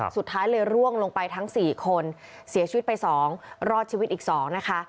สุดท้ายเลยร่วงลงไปทั้ง๔คนเสียชีวิตไป๒รอดชีวิตอีก๒นะคะ